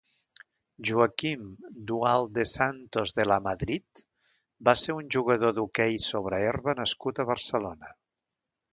Joaquim Dualde Santos de Lamadrid va ser un jugador d'hoquei sobre herba nascut a Barcelona.